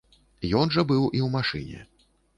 Ён жа быў і ў машыне.